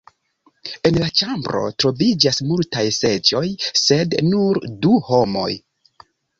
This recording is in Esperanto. En la ĉambro troviĝas multaj seĝoj sed nur du homoj.